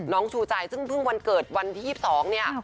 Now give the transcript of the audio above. ชูใจซึ่งเพิ่งวันเกิดวันที่๒๒เนี่ย